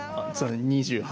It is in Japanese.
２８。